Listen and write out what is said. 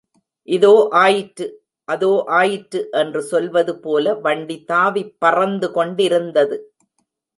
இதோ ஆயிற்று, அதோ ஆயிற்று என்று சொல்வது போல வண்டி தாவிப் பறந்து கொண்டிருந்தது.